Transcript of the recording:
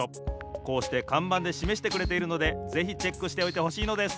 こうしてかんばんでしめしてくれているのでぜひチェックしておいてほしいのです。